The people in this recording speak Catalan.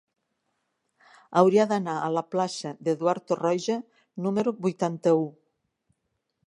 Hauria d'anar a la plaça d'Eduard Torroja número vuitanta-u.